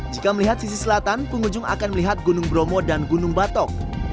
jika melihat sisi selatan pengunjung akan melihat gunung bromo dan gunung batok